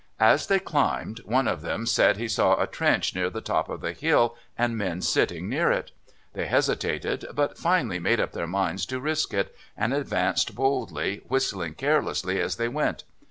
As they climbed one of them said he saw a trench near the top of the hill and men sitting near it. They hesitated, but finally made up their minds to risk it, and advanced boldly, whistling carelessly as they went.